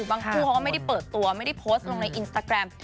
ทั้งคู่เขาก็ไม่ได้เปิดตัวไม่ได้โพสต์ลงในอินสตาแกรม